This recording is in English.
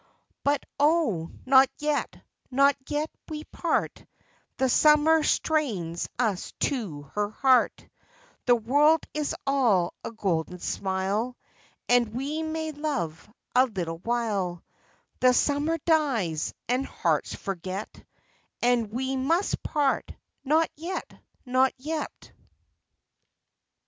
But oh, not yet, not yet we part : The Summer strains us to her heart : The world is all a golden smile, And we may love a little while ; The Summer dies, and hearts forget, And we must part, — not yet, not yet.